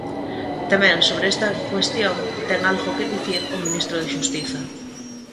Tamén sobre esta cuestión ten algo que dicir o ministro de Xustiza.